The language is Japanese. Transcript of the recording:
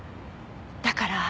だから